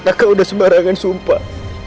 kakak udah sembarangan sumpah